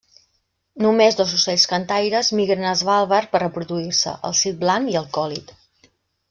Només dos ocells cantaires migren a Svalbard per reproduir-se: el sit blanc i el còlit.